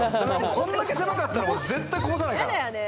こんだけ狭かったら絶対こぼさないから。